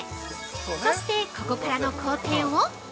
そしてここからの工程を◆